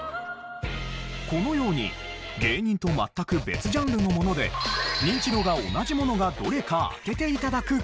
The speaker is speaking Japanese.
このように芸人と全く別ジャンルのものでニンチドが同じものがどれか当てて頂くクイズです。